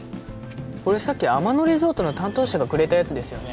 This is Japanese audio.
これさっき天野リゾートの担当者がくれたやつですよね